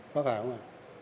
có phải không ạ